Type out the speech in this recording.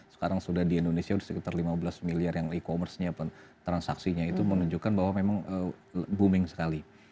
sekarang sudah di indonesia sudah sekitar lima belas miliar yang e commerce nya transaksinya itu menunjukkan bahwa memang booming sekali